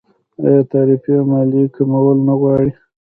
آیا تعرفې او مالیې کمول نه غواړي؟